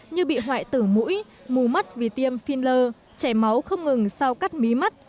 như bị hoại tử mũi mù mắt vì tiêm phin lơ chảy máu không ngừng sau cắt mí mắt